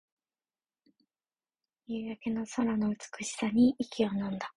夕焼け空の美しさに息をのんだ